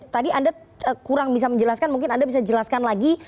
tadi anda kurang bisa menjelaskan mungkin anda bisa jelaskan lagi